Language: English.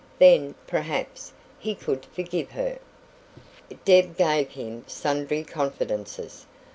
Then, perhaps, he could forgive her. Deb gave him sundry confidences.